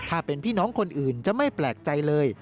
ถ้าเป็นพี่น้องคนอื่นจะไม่แปลกใจเลย